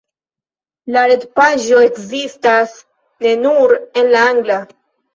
La retpaĝo ekzistas ne nur en la angla.